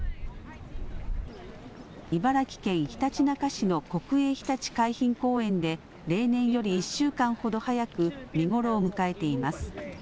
茨城県ひたちなか市の国営ひたち海浜公園で例年より１週間ほど早く見頃を迎えています。